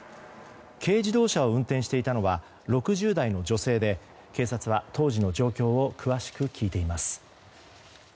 軽自動車を運転していたのは６０歳の女性で警察は当時の状況を詳しく聞いています。